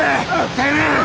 てめえ！